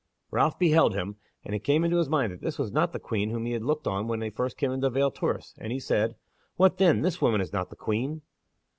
Ralph beheld him, and it came into his mind that this was not the Queen whom he had looked on when they first came into Vale Turris, and he said: "What then! this woman is not the Queen?"